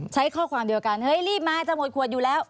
ใช้ข้อความเดียวกันเฮ้ยรีบมาจะหมดขวดอยู่แล้ว